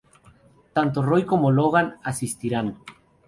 Tanto Rory como Logan asistirán.